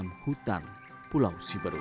masuk lebih kere